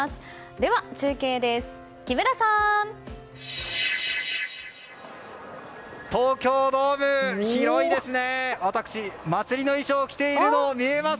では中継です。